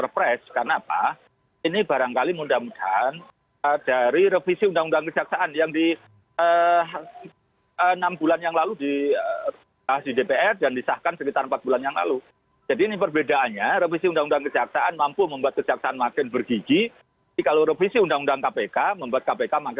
pergangan luar negeri ini